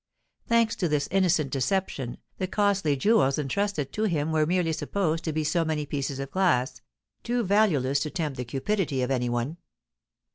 Thanks to this innocent deception, the costly jewels entrusted to him were merely supposed to be so many pieces of glass, too valueless to tempt the cupidity of any one.